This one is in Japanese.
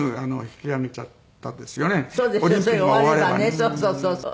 そうそうそうそう。